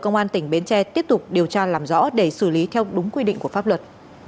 công an tỉnh bến tre tiếp tục điều tra làm rõ để xử lý theo đúng quy định của pháp luật